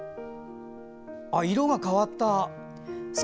色が変わった！